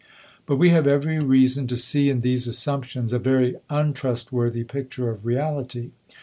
But we have every reason to see in these assumptions a very untrustworthy picture of reality.